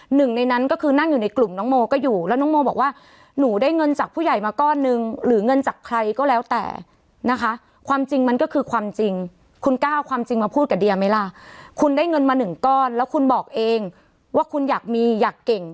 หนึ่งในนั้นก็คือนั่งอยู่ในกลุ่มน้องโมก็อยู่แล้วน้องโมบอกว่า